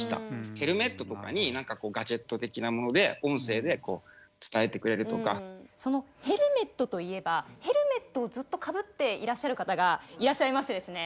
ヘルメットとかにガジェット的なものでそのヘルメットといえばヘルメットをずっとかぶっていらっしゃる方がいらっしゃいましてですね。